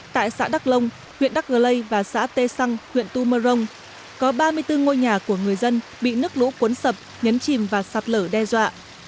tại xã đắk lông huyện đắc lê và xã tê xăng huyện tu mơ rông có ba mươi bốn ngôi nhà của người dân bị nước lũ cuốn sập nhấn chìm và sạt lở đe dọa